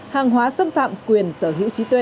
hàng hóa xâm phạm quyền sở hữu trí tuệ